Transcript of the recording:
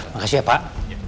makasih ya pak